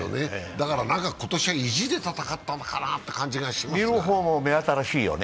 だから今年は意地で戦ったのかなという気がしますよね。